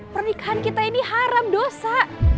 pernikahan kita ini haram dosa